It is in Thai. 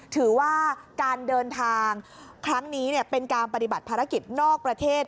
ถือว่าการเดินทางครั้งนี้เป็นการปฏิบัติภารกิจนอกประเทศ